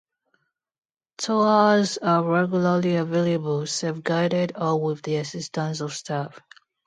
Tours are regularly available, self-guided or with the assistance of staff.